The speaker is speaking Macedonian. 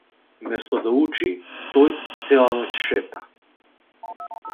Место да учи тој цела ноќ шета.